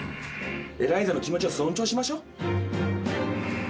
エライザの気持ちを尊重しましょ。